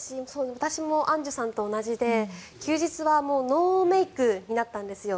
私もアンジュさんと一緒で休日はノーメイクになったんですよ。